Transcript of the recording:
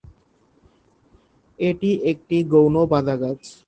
এটি একটি গৌণ বাদাগাছ।